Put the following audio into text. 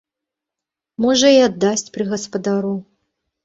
Можа, і аддасць пры гаспадару.